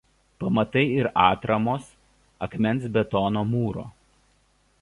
Pamatai ir atramos akmens betono mūro.